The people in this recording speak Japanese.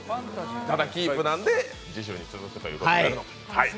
ただキープなんで次週に続くということです。